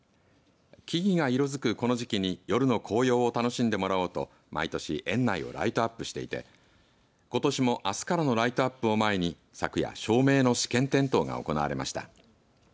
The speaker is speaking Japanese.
木々が色づくこの時期に夜の紅葉を楽しんでもらおうと毎年園内をライトアップしていてことしもあすからのライトアップを前に昨夜、照明の試験点灯が行われました。